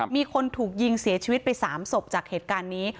มีคนถูกยิงเสียชีวิตไป๓ศพจากเหตุการณ์นี้